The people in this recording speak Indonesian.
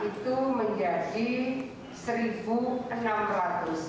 kita mendapatkan support dari tugas tugas pusat tambahan delapan mesin